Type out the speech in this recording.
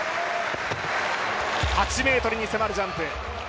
８ｍに迫るジャンプ。